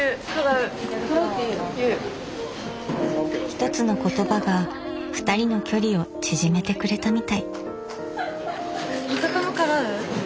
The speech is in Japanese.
ひとつの言葉がふたりの距離を縮めてくれたみたい。